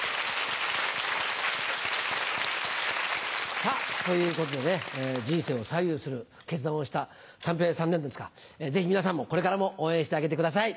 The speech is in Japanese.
さあ、ということでね、人生を左右する決断をした三平さんなんですが、ぜひ皆さんも、これからも応援してあげてください。